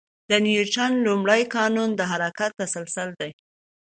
د نیوتن لومړی قانون د حرکت تسلسل دی.